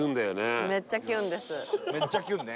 めっちゃキュンね。